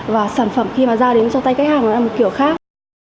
và sản phẩm khi mà ra đến cho tay khách hàng nó là một kiểu khác